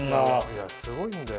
いやすごいんだよ。